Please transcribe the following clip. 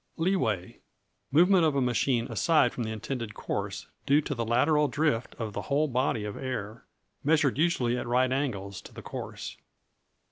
Leeway Movement of a machine aside from the intended course, due to the lateral drift of the whole body of air; measured usually at right angles to the course.